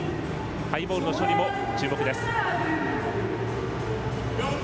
ハイボールの処理も注目です。